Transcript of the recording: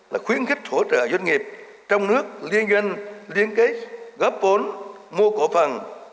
là khuyến khích hỗ trợ doanh nghiệp trong nước liên doanh liên kết góp vốn mua cổ phần